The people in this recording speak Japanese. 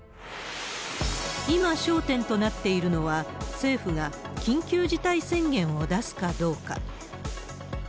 今、焦点となっているのは、政府が緊急事態宣言を出すかどうか。